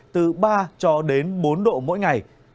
từ ba bốn độ mỗi ngày